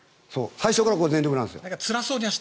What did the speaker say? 最初から全力なんですよ。